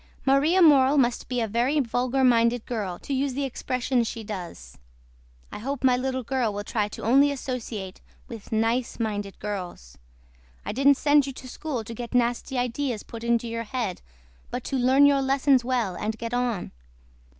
MARIA MORELL MUST BE A VERY VULGAR MINDED GIRL TO USE THE EXPRESSIONS SHE DOES. I HOPE MY LITTLE GIRL WILL TRY TO ONLY ASSOCIATE WITH NICE MINDED GIRLS. I DIDN'T SEND YOU TO SCHOOL TO GET NASTY IDEAS PUT INTO YOUR HEAD BUT TO LEARN YOUR LESSONS WELL AND GET ON.